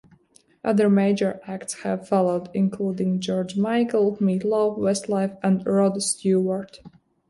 Other major acts have followed, including George Michael, Meat Loaf, Westlife, and Rod Stewart.